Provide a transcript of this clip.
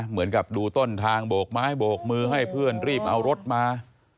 เหมือนกับดูต้นทางโบกไม้โบกมือให้เพื่อนรีบเอารถมา